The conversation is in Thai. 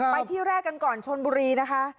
ไปที่แรกกันก่อนชนบุรีนะคะ